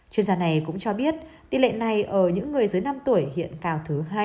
chuyên gia này cũng cho biết tỷ lệ này ở những người dưới năm tuổi hiện cao thứ hai